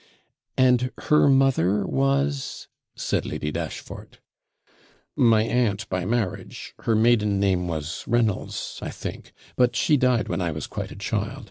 'And her mother was ' said Lady Dashfort. 'My aunt, by marriage; her maiden name was Reynolds, I think. But she died when I was quite a child.